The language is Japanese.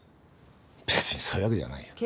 別にそういうわけじゃないよ。